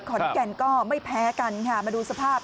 ขอนแก่นก็ไม่แพ้กันค่ะมาดูสภาพ